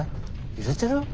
ゆれてる？